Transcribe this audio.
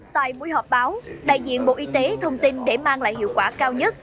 tại buổi họp báo đại diện bộ y tế thông tin để mang lại hiệu quả cao nhất